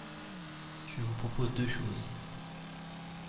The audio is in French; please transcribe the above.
Je vous propose deux choses.